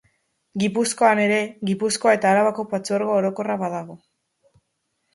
Gipuzkoan ere Gipuzkoa eta Arabako Partzuergo Orokorra badago.